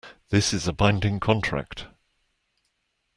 This is a binding contract.